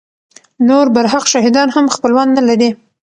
نور برحق شهیدان هم خپلوان نه لري.